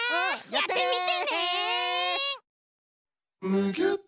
やってみてね！